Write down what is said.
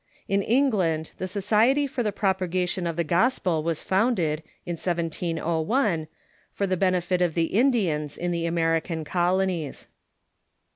In England the Society for the Propagation of the Gos pel was founded, in 1701, for the benefit of the Indians in the American colonies.